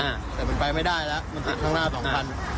แต่มันไปไม่ได้แล้วมันติดข้างหน้าสองคัน